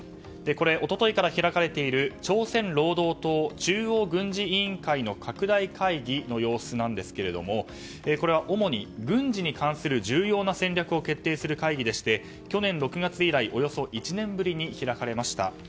これは一昨日から開かれている朝鮮労働党中央軍事委員会の拡大会議の様子なんですがこれは主に軍事に関する重要な戦略を決定する会議でして去年６月以来およそ１年ぶりに開かれました。